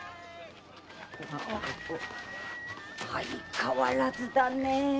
相変わらずだねぇ。